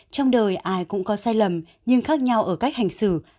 trong đời ai cũng có sai lầm nhưng khác nhau ở cách hành xử